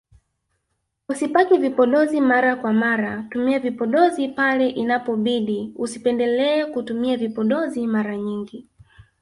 Usipake vipodozi mara kwa mara tumia vipodozi pale inapobidi usipendele kutumia vipodozi mara nyingi